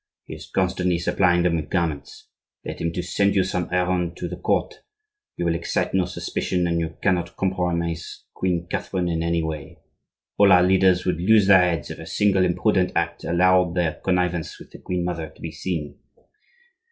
He is constantly supplying them with garments. Get him to send you on some errand to the court. You will excite no suspicion, and you cannot compromise Queen Catherine in any way. All our leaders would lose their heads if a single imprudent act allowed their connivance with the queen mother to be seen.